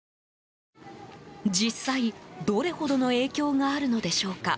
実際、どれほどの影響があるのでしょうか。